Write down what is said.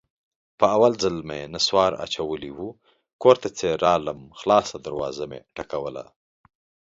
په اول ځل مې نصوار اچولي وو، کور ته چې راغلم خلاصه دروازه مې ټکوله.